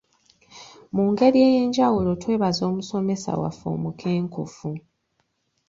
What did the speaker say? Mu ngeri ey'enjawulo twebaza omusomesa waffe omukenkufu.